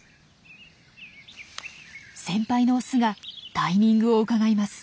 先輩のオスがタイミングをうかがいます。